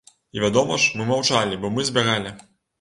І вядома ж, мы маўчалі, бо мы збягалі.